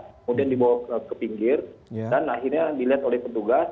kemudian dibawa ke pinggir dan akhirnya dilihat oleh petugas